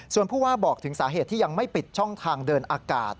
ส่วนผู้ว่าบอกถึงสาเหตุที่ยังไม่ปิดช่องทางเดินอากาศ